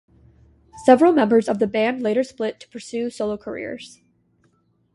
Several members of the band later split to pursue solo careers.